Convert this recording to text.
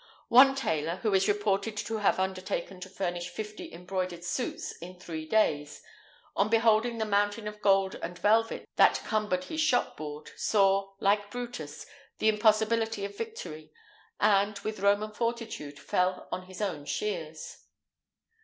One tailor, who is reported to have undertaken to furnish fifty embroidered suits in three days, on beholding the mountain of gold and velvet that cumbered his shop board, saw, like Brutus, the impossibility of victory, and, with Roman fortitude, fell on his own shears.